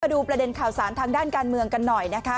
ดูประเด็นข่าวสารทางด้านการเมืองกันหน่อยนะคะ